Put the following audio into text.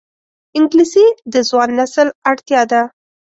انګلیسي د ځوان نسل اړتیا ده